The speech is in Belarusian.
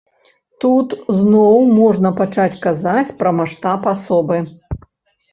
Тут зноў можна пачаць казаць пра маштаб асобы.